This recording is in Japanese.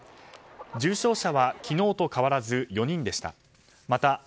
重症者は昨日と変わらず４人でした。